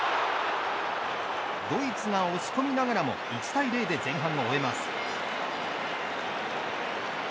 ドイツが押し込みながらも１対０で前半を終えます。